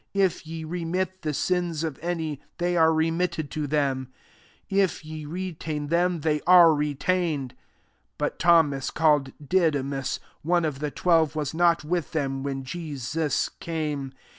23 If ye remit the sins of any, they are remitted to them; if ye retain them, they are retained." 24 But Thomas, called Didy« mus, one of the twelve, was not with them when Jesus came.